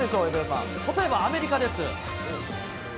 例えばアメリカです。